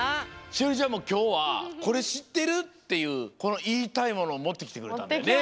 栞里ちゃんもきょうは「コレしってる？」っていういいたいものをもってきてくれたんだよね？